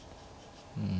うん。